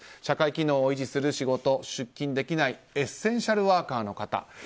社会機能を維持する仕事出勤できないエッセンシャルワーカーの方。